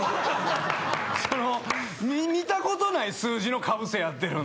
見たことない数字のかぶせやってるんで。